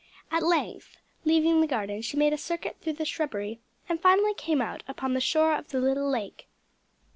At length leaving the garden she made a circuit through the shrubbery, and finally came out upon the shore of the little lake.